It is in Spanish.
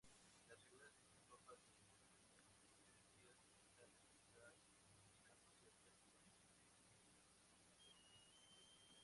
Las figuras visten ropas de reminiscencias orientales, quizás buscando cierto exotismo.